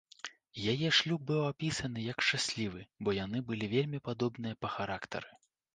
Яе шлюб быў апісаны як шчаслівы, бо яны былі вельмі падобныя па характары.